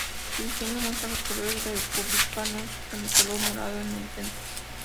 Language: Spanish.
Su diseño muestra los colores republicanos, con el color morado en el centro.